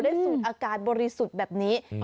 สูตรอาการบริสุทธิ์แบบนี้